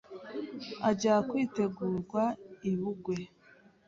Ajya kwitegurwa i Bungwe